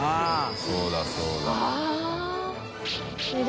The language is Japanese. そうだそうだ。井森）